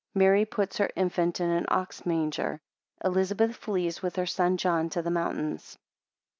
2 Mary puts her infant in an ox manger. 3 Elizabeth flees with her son John to the mountains.